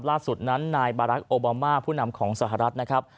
ล่าสุดนั้นนายบารักษ์โอบามาผู้นำของสหรัฐนะครับ